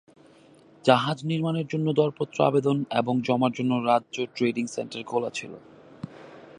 জাহাজ নির্মাণের জন্য দরপত্র আবেদন এবং জমার জন্য রাজ্য ট্রেডিং সেন্টারে খোলা ছিল।